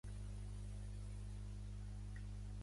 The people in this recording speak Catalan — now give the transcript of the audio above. Actualment és un centre d'interpretació del riu de Foix.